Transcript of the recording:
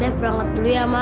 def berangkat dulu ya ma